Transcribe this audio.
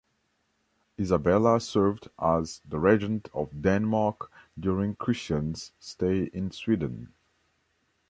Isabella served as the regent of Denmark during Christian's stay in Sweden.